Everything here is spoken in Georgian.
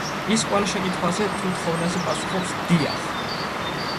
ის ყველა შეკითხვაზე თუ თხოვნაზე პასუხობს „დიახ“.